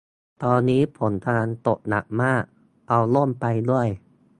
ตอนนี้ฝนกำลังตกหนักมาก เอาร่มไปด้วย